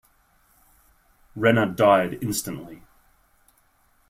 Renna died instantly.